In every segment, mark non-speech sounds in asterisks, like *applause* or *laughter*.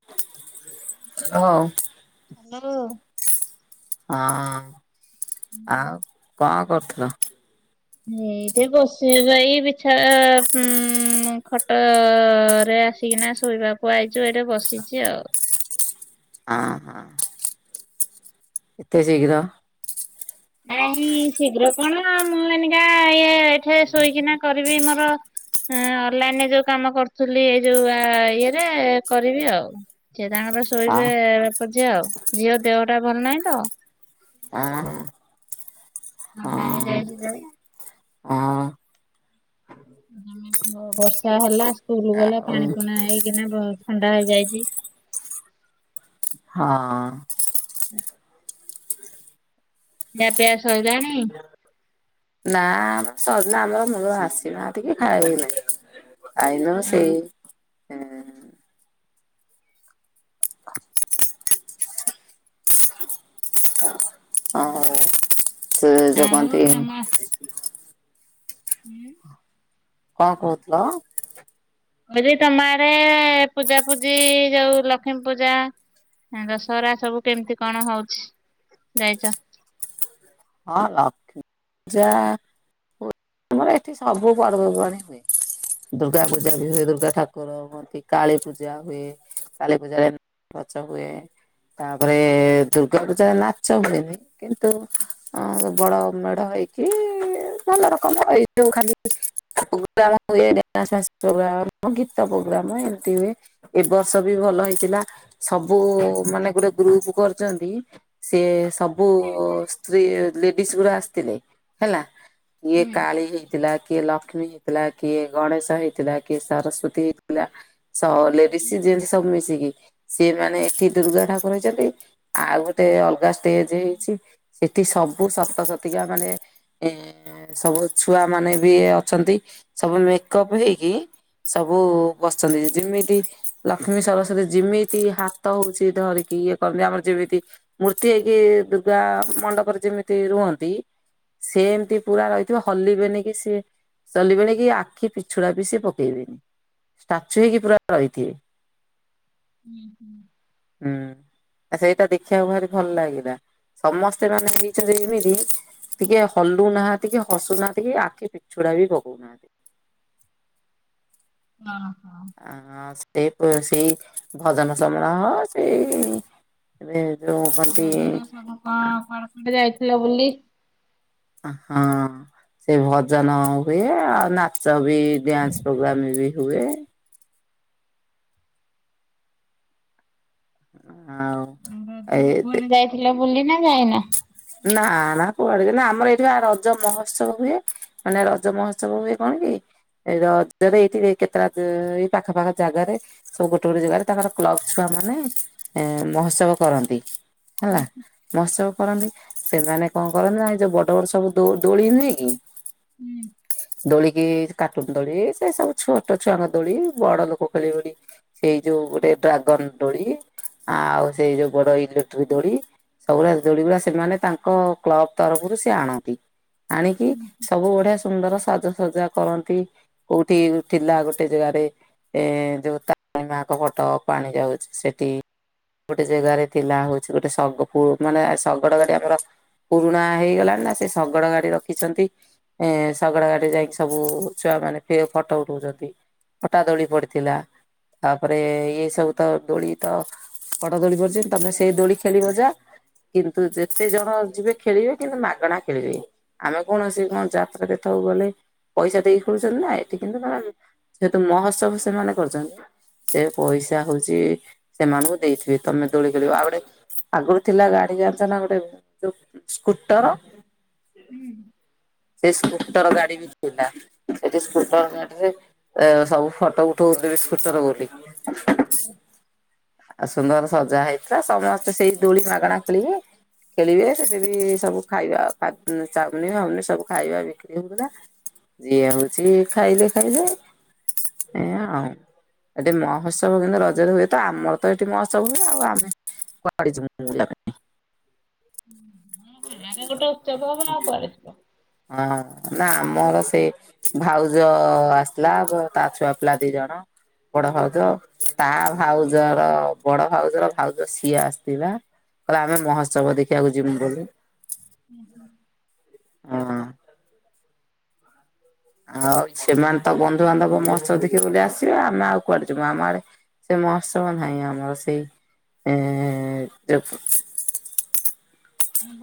*unintelligible* Hello. ହଁ ଆଉ କଣ କରୁଥିଲ? ଏଇଠି ବସାଯାଇ ବିଛା ଉଁ ଖଟରେ ଆସି ଠିକ୍ ନା ଶୋଇବାକୁ ଆଇଛୁ ଏଇଠେ ବସିଛି ଆଉ। ହଁ ହଁ ଏତେ ଶୀଘ୍ର। ନାଇଁ ଶୀଘ୍ର କଣ ମୁଁ ଏଇନିକା ଇଏ ଏଠି ଶୋଇକିନା କରିବି ମୋର ହଁ ଅନ୍ ଲାଇନ୍ ରେ ଯୋଉ କାମ କରୁଥିଲି ଏଇ ଯୋଉ ଇଏରେ କରିବି ଆଉ। ସିଏ ତାଙ୍କର ଆ ଶୋଇବେ ବାପ ଝିଅ ଆଉ ଝିଅ ଦେହଟା ଭଲ ନାହିଁ ତ। ଅଁ ଥଣ୍ଡା ହେଇଯାଇଚି ଜୋରେ? ହଁ। ଆମେ ବର୍ଷା ହେଲା ସ୍କୁଲ ଗଲା ଆଉ ପାଣି ପୁଣା ହେଇକିନା ବ ଥଣ୍ଡା ହେଇଯାଇଚି। ହଁ। ହୁଁ ଖିଆ ପିଆ ସାଇଲାଣି? ନା ଆମର ସରନା ଆମର ମୁଳୁରୁ ଆସିନାହାନ୍ତିକି ଖାଇ ନାଇଁ। ଆଇନ ଆଉ ସେଇ ଏଁ ଏଁ ଆଉ ସେ ଯୋଉ ଆଉ କଣତି ତମ ହୁଁ। କଣ କହୁଥିଲ? କହିଲି ତମ ଆଡ଼େ ଏ ଏ ପୂଜା ପୂଜି ଯୋଉ ଲକ୍ଷ୍ମୀ ପୂଜା ଆଁ ଦଶହରା ସବୁ କେମିତି କଣ ହଉଛି ଯାଇଚ? ହଁ ଲକ୍ଷ୍ମୀ ପୂଜା ହୁ ଆମର ଏଠି ସବୁ ପର୍ବପବାଣି ହୁଏ। ଦୁର୍ଗା ପୂଜା ବି ହୁଏ ଦୁର୍ଗା ଠାକ କର ମନ୍ତି କାଳୀ ପୂଜା ହୁଏ କାଳୀ ପୂଜାରେ ଉଁ ଗଛ ହୁଏ। ତାପରେ ଏ ଏ ଏ ଦୁର୍ଗା ପୂଜାରେ ନାଚ ହୁଏନି କିନ୍ତୁ ହଁ ବଡ଼ ମେଢ଼ ହେଇକି ଇ ଇ ଭଲ ରକମ ଏଇ ଯୋଉ ଖାଲି ପୋଗ୍ରାମ ହୁଏ ଡ୍ୟାନ୍ସ ଫ୍ୟାନ୍ସ ପୋଗ୍ରାମ ମ ଗୀତ ପୋଗ୍ରାମ ଏମତି ହୁଏ। ଏ ବର୍ଷ ବି ଭଲ ହେଇଥିଲା ସବୁ ଉ ଉ ମାନେ ଗୁଟେ ଗ୍ରୁପ କରିଚନ୍ତି ସେ ସବୁ ଉ ଉ ସ୍ତ୍ରୀ ଲେଡିଜ ଗୁରା ଆସଥିଲେ ହେଲା। କିଏ ହୁଁ କାଳି ହେଇଥିଲା କିଏ ଲ ଲକ୍ଷ୍ମୀ ହେଇଥିଲା କିଏ ଗଣେଶ ହେଇଥିଲା କିଏ ସରସ୍ଵତୀ ହେଇଥିଲା ସ ଲେଡିସି ଜେଣ୍ଟସ ସବୁ ମିଶିକି। ସିଏ ମାନେ ଏଠି ଦୁର୍ଗା ଠାକୁର ହେଇଚନ୍ତି ଆଉ ଗୋଟେ ଅଲଗା ଷ୍ଟେଜେ ହେଇଛି ସେଠି ସବୁ ଶତ ଶତିକା ମାନେ ଏଁ ଏଁ ସବୁ ଛୁଆ ମାନେ ବି ଅଛନ୍ତି ସବୁ ମେକଅପ ହେଇକି ସବୁ ବସଛନ୍ତି ଯେମିତି ଲକ୍ଷ୍ମୀ ସରସ୍ଵତୀ ଯେମିତି ହା ତ ହଉଛି ଧରିକି ଇଏ କରନ୍ତିି ଆମର ଯେମିତି ମୂର୍ତ୍ତି ହେଇକି ଦୁର୍ଗା ଆ ଆ ମଣ୍ଡପରେ ଯେମିତି ରୁହନ୍ତି ସେ ଏମତି ପୁରା ରହିଥିବ ହଲିବେନି କିି ସିଏ ଚଲିବେଣିକି ଆଖି ପିଛୁଡ଼ା ବିି ସିଏ ପକେଇବେନି। ଷ୍ଟାଚୁ ହେଇକି ପୁରା ରହିଥିବେ। ହୁଁ ହୁଁ। ହୁଁ ଆ ସେଇଟା ଦେଖିବାକୁ ଭାରି ଭଲ ଲାଗିଲା ସମସ୍ ସେମାନେ ହେଇଚନ୍ତି ଏମିତି ଟିକିଏ ହଲୁ ନାହାନ୍ତି କି ହସୁନାହାନ୍ତି କି ଆଖି ପିଛୁଡ଼ା ବି ପକଉନାହାନ୍ତି। ହଁ ହଁ। ଆଁ ସେ ପ ସେଇ ଭଜନ ସମୟ ହଉ ସେଇ ଇ ଇ ଏବେ ଯୋଉଁ ଆ ରଜ ରେ ସବୁ କଣ କୁଆଡ଼େ କଣ ଯାଇଥିଲ ବୁଲି? ଅ ହଁ। ସେ ଭଜନ ହୁଏ ଆଉ ନାଚ ବି ଡ୍ୟାନ୍ସ ପୋଗ୍ରାମ ବି ହୁଏ। ଆଉ। ଏ ରଜ ରେ କୁଆଡେ ଯାଇଥିଲ ବୁଲି ନା ଯାଇନ। ନା ନା କୁଆଡେ କି ନା ଆମର ଏଇଠି ବା ରଜ ମହୋତ୍ସବ ହୁଏ। ମାନେ ରଜ ମହୋତ୍ସବ ହୁଏ କଣ କି। ଏ ରଜରେ ଏଇଠି କେତେଟା ଏ ପାଖପାଖ ଜାଗାରେ ସବୁ ଗୋଟେ ଗୋଟେ ଜାଗାରେ ତାଙ୍କର କ୍ଲବ ଛୁଆ ମାନେ ମହୋତ୍ସବ କରନ୍ତି ହେଲା। ମୋହଉତ୍ସବ କରନ୍ତି। ସେମାନେ କଣ କରନ୍ତି ନାଁ ଯୋଉ ବଡ ବଡ ସବୁ ଦୋ ଦୋଳିନୁହଁକି ହୁଁ ଦୋଳିିକି କାଟୁନ ଦୋଳି ସେ ସବୁ ଛୋଟ ଛୁଆଙ୍କ ଦୋଳି ବଡ ଲୋକ ଖେଳିବେ ବୋଲି ସେଇ ଯୋଉ ଗୋଟେ ଡ୍ରାଗନ ଦୋଳି ଆଉ ସେଇ ଯୋଉ ବଡ ଇଲେକ୍ଟ୍ରିକ ଦୋଳି ସବୁ ଯୋ *unintelligible* ସେମାନେ ତାଙ୍କ କ୍ଲବ ତରଫରୁ ସେ ଆଣନ୍ତି ଆଣିକି ସବୁ ବଢିଆ ସୁନ୍ଦର ସଜ ସଜା କରନ୍ତି କୋଉଠି ଥିଲା ଗୋଟେ ଜାଗାରେ ଏ ଯୋଉ ତା-ରିଣୀ ମାଙ୍କ ଫଟକୁ ପାଣି ଯାଉଛି ସେଠି ଗୋଟେ ଜାଗାରେ ଥିଲା ହଉଛି ଗୋଟେ ଶଗ ଫୁ ମାନେ ଶଗଡ ଗାଡି ଆମର ପୁରୁଣା ହେଇଗଲାଣି ନା ସେ ଶଗଡ ଗାଡି ରଖିଛନ୍ତି ଏ ଶଗଡ଼ ଗାଡି ଯାଇକି ସବୁ ଛୁଆ ମାନେ ଫେ ଫଟୋ ଉଠଉଛନ୍ତି। ପଟା ଦୋଳି ପଡ଼ିଥିଲା। ତାପରେ ଇ ସବୁ ତ ଦୋଳି ତ ବଡ଼ ଦୋଳି ପରିଛନ୍ତି ତମେ ସେଇ ଦୋଳି ଖେଳିବ ଯା। ତୁ ଯେତେ ଜଣ ଯିବେ ଖେଳିବେ କିନ୍ତୁ ମାଗଣା ଖେଳିବେ। ଆମେ କୌଣସି କଣ ଯାତ୍ରା କେଥାକୁ ଗଲେ ପଇସା ଦେଇକି ଖେଳୁଛନ୍ତି ନା ଏଠି କିନ୍ତୁ ମାନେ ଯେହେତୁ ମହୋତ୍ସବ ସେମାନେ କରୁଛନ୍ତି ସେ ପଇସା ହଉଛି ସେମାନଙ୍କୁ ଦେଇଥିବେ ତମେ ଦୋଳି ଖେଳିବ ଆଉ ଗୋଟେ ଆଗରୁ ଥିଲା ଗାଡିିକା *unintelligible* ନା ଗୋଟେ ଯୋଉ ସ୍କୁଟର। ହୁଁ। ସେ ସ୍କୁଟର ଗାଡି ବି ଥିଲା ସେଠି ସ୍କୁଟର ଗାଡିରେ ଏ ସବୁ ଫଟୋ ଉଠଥିଲେ ସ୍କୁଟର ବୋଲି। ଆଉ ସୁନ୍ଦର ସଜା ହେଇଥିଲା ସମସ୍ତେ ସେଇ ଦୋଳି ମାଗଣା ଖୋଳିବେ। ଖେଳିବେ ସେଠି ବି ସବୁ ଖାଇବା ଫା ଚାଓଁମୀନ ଫାଓଁମିନି ସବୁ। ଖାଇବା ବିକ୍ରି ହୋଉଥିଲା ଯିଏ ହୋଉଛି ଖାଇଲେ ଖାଇଲେ। ଏୟା ଆଉ। ଏଠି ମହୋତ୍ସବ କିନ୍ତୁ ରଜରେ ହୁଏ ତ ଆମର ତ ଏଠି ମହୋତ୍ସବ ହୁଏ ଆମେ କୁଆଡେ ଯିବୁ। *unintelligible* ଗାଁରେ ଗୋଟେ ଉତ୍ସବ ହବ ଆଉ କୁଆଡେଯିବା। ହଁ ନା ଆମର ସେଇ ଭାଉଜ ଆସିଥିଲା ତା ଛୁଆ ପିଲା ଦି ଜଣ। ବଡ ଭାଉଜ ତା ଭାଉଜର ବଡ ଭାଉଜର ଭାଉଜ ସିଏ ଆସିଥିଲା। କହିଲା ଆମେ ମହୋତ୍ସବ ଦେଖିବାକୁ ଯିବୁ ବୋଲି। *inaudible* ହଁ। ଆଉ ସେମାନେ ତ ବନ୍ଧୁବାନ୍ଧବ ମହୋତ୍ସବ ଦେଖିବ ବୋଲି ଆସ। ଆମେ ଆଉ କୁଆଡେ ଯିବା ଆମ ଆଡେ ସେ ମହୋତ୍ସବ ନାହିଁ ଆମର ସେଇ। ଏଁ *unintelligible*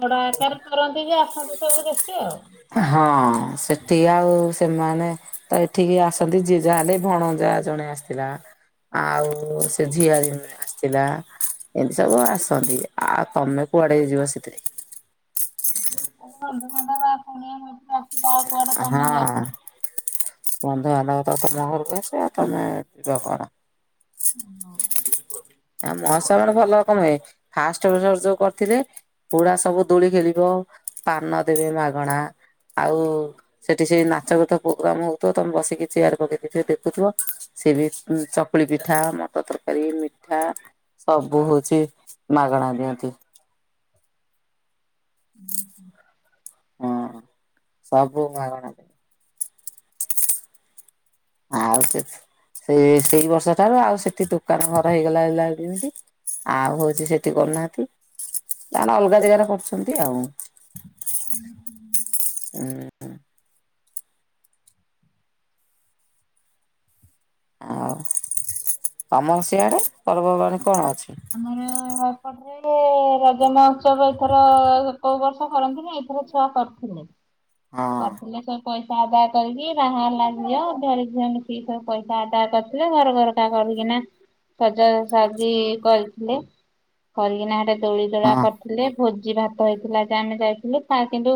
ବଡ ଆକାର କରନ୍ତି ଯେ ଆସନ୍ତିୁ ସବୁ ଦେଖି ଆଉ। ହଁ ସେଠି ଆଉ ସେମାନେ ତ ଏଠିକି ଆସନ୍ତି ଜ ଯାହା ହେ ଲେ ଭଣଜା ଜଣେ ଥିଲା ଆଉ ସେ ଝିଅର ଆସିଥିଲା ଏମିତି ସବୁ ଆସନ୍ତି। ଆଉ ତମେ କୁଆଡେ ହେଇ ଯିବ ସେଥିରେ ଆମର ଅଧ ଘଣ୍ଟା ବା କୁଣିଆ ମୈତ୍ର ଆସୁ ହଁ। ବନ୍ଧୁ ବାନ୍ଧବ ତ ତମ ଘରକୁ ଆସିବେ ଆଉ ତମେ ଯିବା କୁଆଡ଼େ? *inaudible* ଆ ମହୋତ୍ସବ ଭଲ କଣପାଇଁ ଫାଷ୍ଟ ବର୍ଷ ଯୋଉ କରିଥିଲେ ପୋଡ଼ା ସବୁ ଦୋଳି ଖେଳିବ ପାନ ଦେବେ ମାଗଣା ଆଉ ସେଠି ସେଇ ନାଚ ଗୀତ ପ୍ରୋଗ୍ରାମ ହଉଥିବ ତମେ ବସିକି ଚେୟାର ପକେଇକି ଦେଖୁଥିବ ସେ ବି ଚକୁଳି ପିଠା ମଟର ତରକାରୀ ମିଠା ସବୁ ହଉଛି ମାଗଣା ଦିଅନ୍ତି। ଓହୁ। ହଁ ସବୁ ମାଗଣାରେ ଆଉ ସେ ସେ ସେଇ ବର୍ଷ ଠାରୁ ଆଉ ସେଠି ଦୋକାନ ଘର ହେଇଗଲା ଯେମତି ଆଉ ହଉଛି ସେଠି କରୁନାହାନ୍ତି ତାଙ୍କର ଅଲଗା ଜାଗାରେ କରୁଛନ୍ତି ଆଉ ଉଁ ହୁଁ। ଆଉ ତମର ସିିଆଡ଼େ ପର୍ବପର୍ବାଣୀ କଣ ଅଛି? ଆମର ଏପଟରେ ରଜ ମହୋତ୍ସବ ଏଥର କୋଉ ବର୍ଷ କରନ୍ତିନି ଏଇଥର ଛୁଆ କରିଥିଲି ହଁ। କରିଥିଲେ ସବୁ ପଇସା ଆଦାୟ କରିକି ବାହା ହେଲା ଝିଅ ଘର ଝିଅ ମିଶିକି ସବୁ ପଇସା ଆଦାୟ କରିଥିଲେ ଘର ଘର କରିକିନା ସଜାସଜି କରିଥିଲେ କରିକିନା ସେଟ ଦୋଳି ଦୋଳା ହଁ କରିଥିଲେ ଭୋଜି ଭାତ ହେଇଥିଲା ଯେ ଆମେ ଯାଇଥିଲୁ ତା କିନ୍ତୁ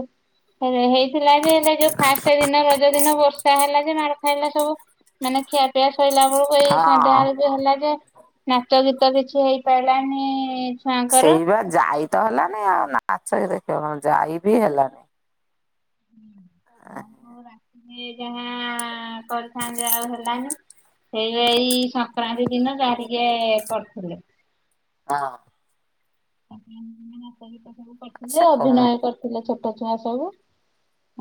ହେଇ ହେଇଥିଲା ଯେ ହେଲେ ଯୋଉ ସେଇଦିନ ରଜ ଦିନ ବର୍ଷା ହେଲା ଯେ ମାଡ ଖାଇଲା ସବୁ ମାନେ ଖିଆ ପିଆ ସଇଲା ଆ ଏଇ ସନ୍ଧ୍ୟା ହଁ। ବେଳକୁ ହେଲା ଯେ ନାଚ ଗୀତ କିଛି ହେଇପାରିଲାନି ସେଇ ଛୁଆଙ୍କର ବା ଯାଇ ତ ହେଲାନି ଆଉ ନାଚ ଗୀତ ଦେଖିବ କଣ ଯାଇ ବିି ହେଲାନି ରାତିରେ ଯାହା କରିଥାନ୍ତେ ଆଉ ହେଲାନି ସେଇ ଏଇ ସଂକ୍ରାନ୍ତି ଦିନ ଯାହା ଟିକେ କରିଥିଲେ। ହଁ। ନାଚ ଗୀତ ସବୁ କରିଥିଲେ ସେ କଣ ଅଭିନୟ କରିଥିଲେ ଛୋଟ ଛୁଆ ସବୁ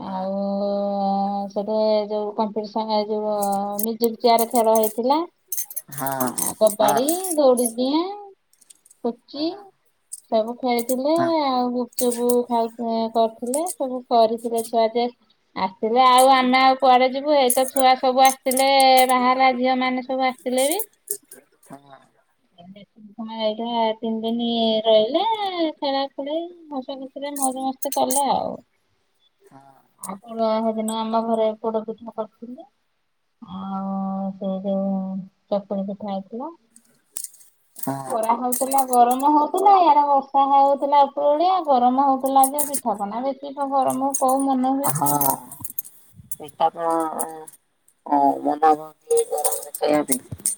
ହଁ ଆଉ ସେଠେ ଏ ଯୋଉ କମ୍ପିଟିସନ୍ ଏ ଯୋଉ ମ୍ୟୁଜିକ୍ ଚେୟାର ଖେଳ ହେଇ ଥିଲା ହଁ ଆଉ ହଁ। କବାଡି ଦୌଡ଼ିଦିଆ ପୁଚି ସବୁ ଖୁଆଇଥିଲେ ଆଉ ଗୁପଚୁପୁ ଖାଉ କରିଥିଲେ ସବୁ କରିଥିଲେ ଛୁଆ ଯଆ ଆସିଲେ ଆଉ ଆମେ ଆଉ କୁଆଡେ ଯିବୁ ଏଇତ ଛୁଆ ସବୁ ଆସିଥିଲେ ବାହାହେଲା ଝିଅ ମାନେ ସବୁ ଆ ସି ଥିଲେ ବି ହଁ। ପୁଣି ଏଇଟା ତିନି ଦିନ ରହିଲା ଖେଳା ଖେଳି ହସ ଖୁସି ରେ ମୈଜ ମସ୍ତି କଲେ ଆଉ ଆଉ କଣ ସେଦିନ ଆମ ଘରେ ପୋଡ ପିଠା କରି ଥିଲି ଆଉ ସେ ଯୋଉ ଚକୁଳି ପିଠା ଥିଲା ଏ ତ ହଁ ଖରା ହଉଥିଲା ଗରମ ହଉଥିଲା ଇଆଡେ ବର୍ଷା ହଉଥିଲା ଉପରଓଳିଆ ଗରମ ହଉଥିଲା ଯେ ପିଠାପଣା ବେଶୀ ଗରମ ହଉ ହଁ। ପିଠା କଣ ମନା କରୁଛି ଗରମରେ ଖାଇବ ପାଇଁ?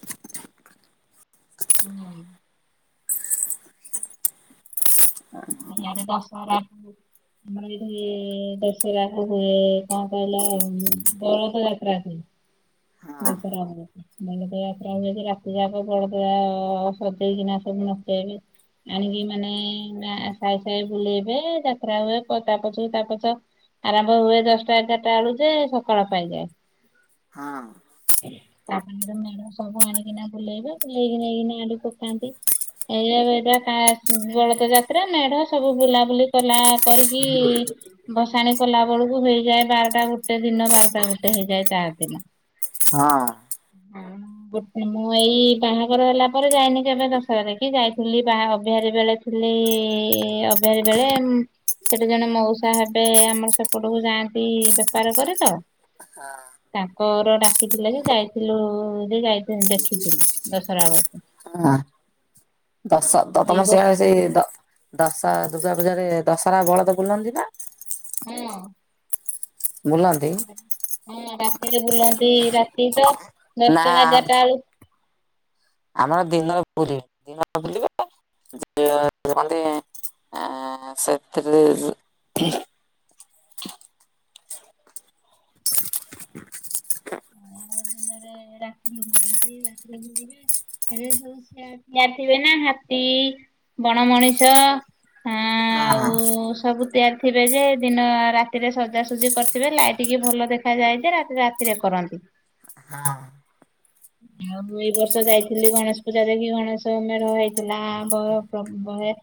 ନାଇଁ ହଁ ଆଁ ଇଆଡ଼େ ଦଶହରାକୁ ଆମର ଏଇଠି ଦଶହରା ହୁଏ। କଣ କହିଲ ବଳଦ ଯାତ୍ରା ହୁଏ। ହଁ ଦଶହରା ହୁଏ। ବଳଦ ଯାତ୍ରା ହୁଏ ଯେ ରାତି ଯାକ ବଳଦ ଆଁ ସଜେଇକି ନାଚନ୍ତି ନଚେଇବେ। ଆଣିକି ମାନେ ନା ସାଇ ସାଇ ବୁଲେଇବେ ଯାତ୍ରା ହୁଏ। କ ପଛକୁ ତା ପଛ ଆରମ୍ଭ ହୁଏ ଦଶଟା ଏଗାରଟା ବେଳୁ ଯେ ସକାଳ ପାଇଯାଏ। ହଁ ତାପରେ ମେଢ଼ ସବୁ ଆଣିକିନା ବୁଲେଇବେ ବୁଲେଇକି ନେଇକିନା ଆଡୁ ପକାନ୍ତି। ଏଇଆ ଏଇଟା ଫାଷ୍ଟ୍ ବଳଦ ଯାତ୍ରା ମେଢ଼ ସବୁ ବୁଲାବୁଲି କଲା କରିକି ଭସାଣି କଲା ବେଳକୁ ହେଇଯାଏ ବାରଟା ଗୋଟେ ଦିନ ବାରଟା ଗୋଟେ ହେଇଯାଏ ତାରି ଦିନ। ହଁ କଣ ଗୋଟେ ମୁଁ ଏଇ ବାହାଘର ହେଲା ପରେ ଯାଇନି କେବେ ଦଶହରା ଦେଖି ଯାଇଥିଲି ବାହା ଅବହାରୀ ବେଳେ। ଥିଲି ଏଇ ଅବହାରୀ ବେଳେ ମୁଁ ସେଠି ଜଣେ ମଉସା ହେବେ ଆମର ସେପଟକୁ ଯାଆନ୍ତି ବେପାର କରେ ତ। ହଁ ଅଁ ତାଙ୍କର ଡାକ୍ ଡାକିଥିଲେ ଯେ ଯାଇଥିଲୁ ଯେ ଯାଇତେ ଦେଖିଥିଲୁ ଦଶହରା ବେଳକୁ। ଆଁ ଦଶ ତ ଏଇ ତମର ବର୍ଷ ସିଆଡେ ସେଇ ଦ ଦଶା ଦୁର୍ଗା ପୂଜାରେ ଦଶହରା ବଳଦ ବୁଲନ୍ତି ନାଁ। ହଁ ବୁଲାନ୍ତି ହଁ ରାତିରେ ବୁଲାନ୍ତି ରାତି ତ ଦଶଟା ନା ଏଗାରଟା ବେଳୁ ଆମର ଦିନରେ ବୁଲିବେ ଦିନରେ ବୁଲିବେ ତ ଯିବେ କୁହନ୍ତି। ଆଁ ସତରେ *inaudible* ଦିନରେ ରାତି ବୁଲନ୍ତି ରାତିରେ ବୁଲିବେ। ଏରା ସବୁ ସିଏ ଆସିବେ ନା ହାତୀ ବଣ ମଣିଷ ଆଁ ହଁ ଓ ସବୁ ତିଆରି ଥିବେ ଯେ ଦିନ ଆଉ ରାତିରେ ସଜାସୁଜି କରିଥିବେ। ଲାଇଟ କି ଭଲ ଦେଖି ଦେଖ ଯାଇଚି ରାତି ରାତିରେ କରନ୍ତି। ହଁ ଆଉ ଏଇ ବର୍ଷ ଯାଇଥିଲି ଗଣେଶ ପୂଜା ଦେଖି ଗଣେଶ ମେଢ଼ ହେଇଥିଲା। ଆମ *unintelligible*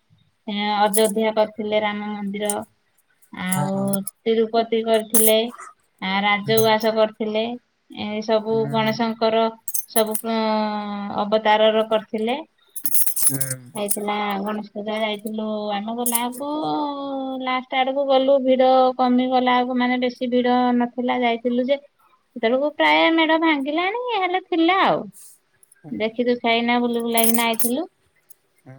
ଏଁ ଅଯୋଧ୍ୟା କରିଥିଲେ ରାମ ମନ୍ଦିର। ଆଉ ହଁ ତିରୁପତି କରିଥିଲେ। ଆଁ ହୁଁ ହୁଁ ରାଜଉଆସ କରିଥିଲେ। ଏ ସବୁ ଗଣେଶଙ୍କର ସବୁ ଅଁ ଅବତାରର କରିଥିଲେ। ହୁଁ ହେଲା ଗଣେଶ ପୂଜା ଯାଇଥିଲୁ। ଆମେ ଗଲାକୁ ଲାଷ୍ଟ ଆଡ଼କୁ ଗଲୁ ଭିଡ଼ କମିଗଲାଆଳକୁ ମାନେ ବେଶୀ ଭିଡ଼ ନଥିଲା ଯାଇଥିଲୁ ଯେ ସେତେବେଳକୁ ପ୍ରାୟ ମେଢ଼ ଭାଙ୍ଗିଲାଣି ହେଲେ ଥିଲା ଆଉ। ଦେଖି ତୁ ସାଇନା ବୁଲିବୁଲାକିନା ଆଇଥିଲୁ। ହୁଁ।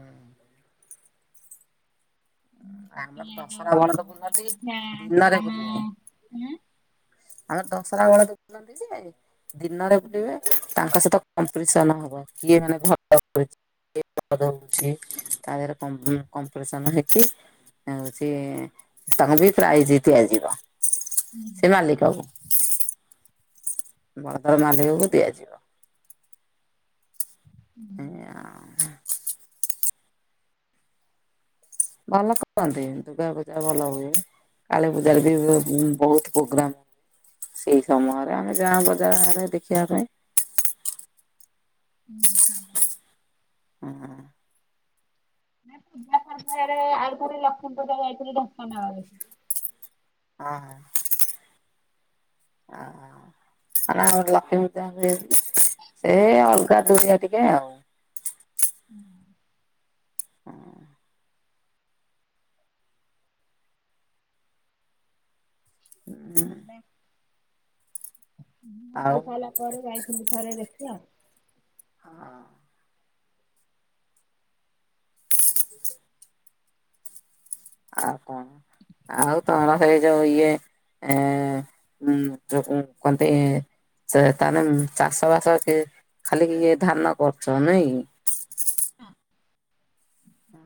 ଆମର ସିଏ ଦଶହରା ବଳଦ ଯୋଉ ବୁଲନ୍ତି ଅଯୋଧ୍ୟା ଦିନରେ ବୁଲିବେ ଆମର ଦଶହରା ବେଳକୁ ବୁଲୁଛନ୍ତି ଯେ ଦିନରେ ବୁଲିବେ ତାଙ୍କ ସହିତ କମ୍ପିଟିସନ ହବ। କିଏ ମାନେ ଘଟ ତା ଦେହରେ କମ୍ପ୍ କମ୍ପିଟିସନ୍ ହେଇକି ଏମିତି ତାଙ୍କୁ ବି ପ୍ରାଇଜ ଦିଆଯିବ ସେ ମାଲିକ *unintelligible* ମାଲିକକୁ ଦିଆଯିବ। ଏଇଆ ଆଉ। ଭଲ କରନ୍ତି, ଦୁର୍ଗା ପୂଜା ଭଲ ହୁଏ। କାଳୀ ପୂଜାରେ ବି ହୁଏ ବହୁତ ପ୍ରୋଗ୍ରାମ। ସେଇ ସମୟରେ ଆମେ ଯାଉଁ ବଜାର ହେରିକା ଦେଖିବା ପାଇଁ। ହୁଁ ହୁଁ। ହଁ ଆଉ ଥରେ ଲକ୍ଷ୍ମୀପୂଜା ଯାଇଥିଲି ଢେଙ୍କାନାଳରେ। ଅ ହଁ। ଓ ଲକ୍ଷ୍ମୀ ପୂଜାରେ ସେ ଅଲଗା ଦୁରିଆ ଟିକେ ଆଉ। ହୁଁ ହଁ *inaudible* ହୁଁ ଆଉ ଥରେ ଯାଇଥିଲି ଥରେ ଦେଖି ଆଉ। ହଁ। ଆଉ କଣ? ଆଉ ତମର ସେଇଯୋଉ ଇଏ ଏ ଯୋଉ କଣତି ସେ ତାହାଲେ ଚାଷ ବାସ କି ଖାଲି ଇଏ ଧାନ କରୁଛ ନାଇଁ। କି?